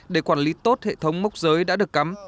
để quản lý tốt hệ thống mốc giới đã được cắm